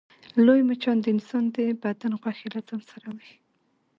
لوی مچان د انسان د بدن غوښې له ځان سره وړي